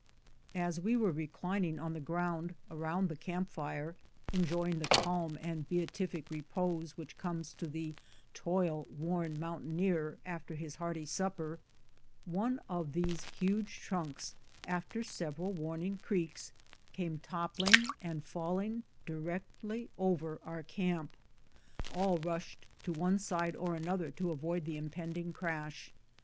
As we were reclining on the ground around the camp fire, enjoying the calm and beatific repose which comes to the toil worn mountaineer after his hearty supper, one of these huge trunks, after several warning creaks, came toppling and falling directly over our camp. All rushed to one side or another to avoid the impend ing crash.